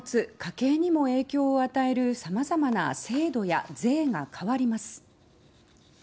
家計にも影響を与える様々な制度や税が変わります。